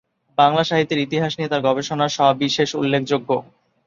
বাংলা সাহিত্যের ইতিহাস নিয়ে তার গবেষণা সবিশেষ উল্লেখযোগ্য।